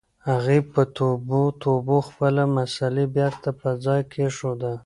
هغې په توبو توبو خپله مصلّی بېرته په ځای کېښوده.